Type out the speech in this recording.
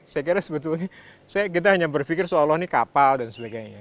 saya kira sebetulnya kita hanya berpikir seolah olah ini kapal dan sebagainya